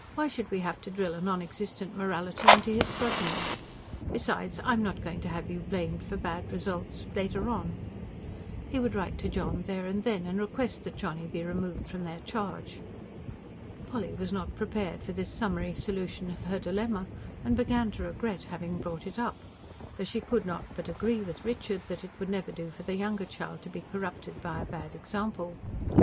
Why should we have to drill a non existent morality into his progeny? Besides, I'm not going to have you blamed for bad results, later on." He would write to John there and then, and request that Johnny be removed from their charge. Polly was not prepared for this summary solution of her dilemma, and began to regret having brought it up; though she could not but agree with Richard that it would never do for the younger child to be corrupted by a bad example.